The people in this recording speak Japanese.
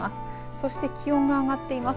そして気温が上がっています。